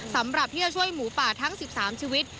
สำหรับที่จะช่วยหมูป่าทั้ง๑๓ชีวิต